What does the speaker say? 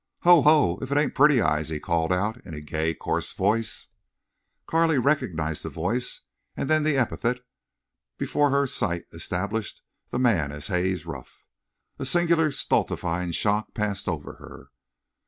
"Ho! Ho! if it ain't Pretty Eyes!" he called out, in gay, coarse voice. Carley recognized the voice, and then the epithet, before her sight established the man as Haze Ruff. A singular stultifying shock passed over her.